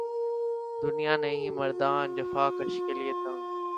دنیا نہیں مردان جفاکش کے لیے تنگ